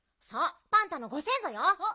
そうパンタのご先ぞよ。